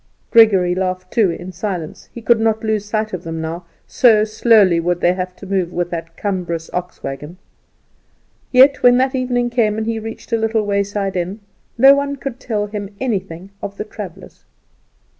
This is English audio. Gregory laughed too, in silence; he could not lose sight of them now, so slowly they would have to move with that cumbrous ox wagon. Yet, when that evening came, and he reached a little wayside inn, no one could tell him anything of the travellers.